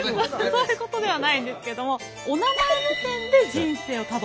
そういうことではないんですけどもおなまえ目線で人生をたどっていく。